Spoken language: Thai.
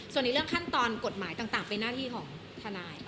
ส่วนในเรื่องขั้นตอนกฎหมายต่างเป็นหน้าที่ของทนาย